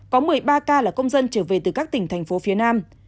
có một mươi ba ca là công dân trở về từ các tỉnh thành phố phía nam